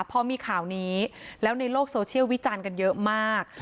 พอมีข่าวนี้แล้วในโลกโซเชียลวิจารณ์กันเยอะมาก